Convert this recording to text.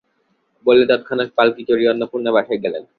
বলিয়া তৎক্ষণাৎ পালকি চড়িয়া অন্নপূর্ণার বাসায় গেলেন।